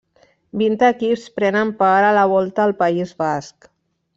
Vint equips prenen part a la Volta al País Basc.